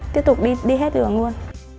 tiếp tục đi hết đường luôn